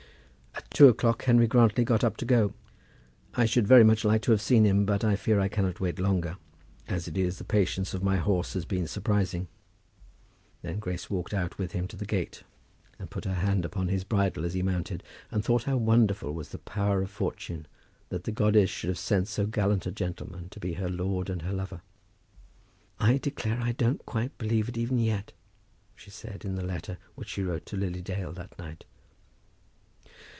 At two o'clock Henry Grantly got up to go. "I should very much like to have seen him, but I fear I cannot wait longer. As it is, the patience of my horse has been surprising." Then Grace walked out with him to the gate, and put her hand upon his bridle as he mounted, and thought how wonderful was the power of Fortune, that the goddess should have sent so gallant a gentleman to be her lord and her lover. "I declare I don't quite believe it even yet," she said, in the letter which she wrote to Lily Dale that night.